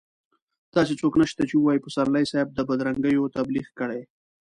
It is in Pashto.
داسې څوک نشته چې ووايي پسرلي صاحب د بدرنګيو تبليغ کړی.